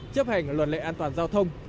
chấp hành luật lệ an toàn giao thông